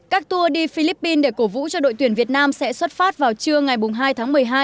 các tour đi philippines để cổ vũ cho đội tuyển việt nam sẽ xuất phát vào trưa ngày hai tháng một mươi hai